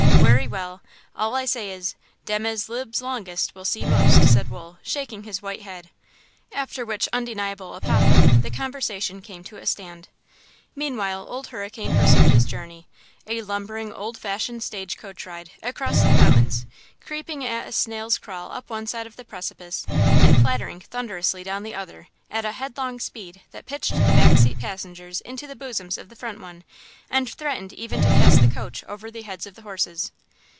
"Werry well! All I say is, 'Dem as libs longest will see most!' " said Wool, shaking his white head. After which undeniable apothegm the conversation came to a stand. Meanwhile, Old Hurricane pursued his journey–a lumbering, old fashioned stage coach ride–across the mountains, creeping at a snail's crawl up one side of the precipice and clattering thunderously down the other at a headlong speed that pitched the back seat passengers into the bosoms of the front ones and threatened even to cast the coach over the heads of the horses.